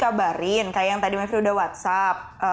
ya kabarin kayak yang tadi mavie udah whatsapp